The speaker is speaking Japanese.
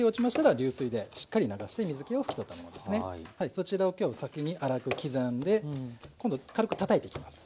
そちらを今日は先に粗く刻んで今度は軽くたたいていきます。